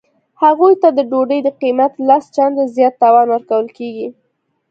هغوی ته د ډوډۍ د قیمت لس چنده زیات تاوان ورکول کیږي